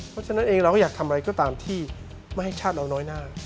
เพราะฉะนั้นเองเราก็อยากทำอะไรก็ตามที่ไม่ให้ชาติเราน้อยหน้า